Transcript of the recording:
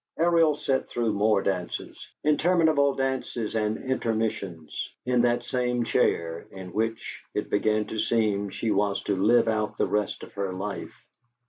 Ariel sat through more dances, interminable dances and intermissions, in that same chair, in which, it began to seem, she was to live out the rest of her life.